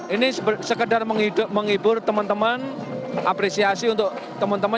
ini sekedar menghibur teman teman apresiasi untuk teman teman